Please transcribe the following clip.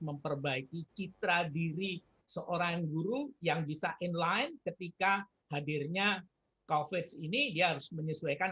memperbaiki citra diri seorang guru yang bisa inline ketika hadirnya covid ini dia harus menyesuaikan